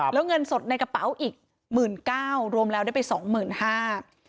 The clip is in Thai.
แล้วเงินสดในกระเป๋าอีก๑๙๐๐๐บาทรวมแล้วได้ไป๒๕๐๐๐บาท